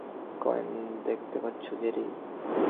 Coin দেখতে পাচ্ছো, Jerry?